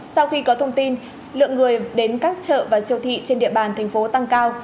sau khi có thông tin lượng người đến các chợ và siêu thị trên địa bàn thành phố tăng cao